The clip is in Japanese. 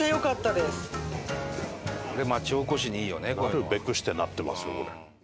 なるべくしてなってますよこれ。